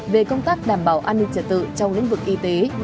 về công tác đảm bảo an ninh trật tự trong lĩnh vực y tế